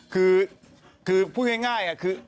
คือพูดง่ายคือ